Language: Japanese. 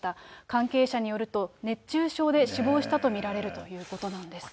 関係者によると、熱中症で死亡したと見られるということなんです。